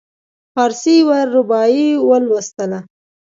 فارسي یوه رباعي ولوستله.